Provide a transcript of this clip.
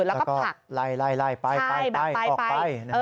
แล้วก็ไล่ไปออกไป